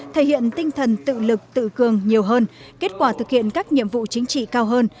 thể hiện tinh thần tự lực tự cường nhiều hơn kết quả thực hiện các nhiệm vụ chính trị cao hơn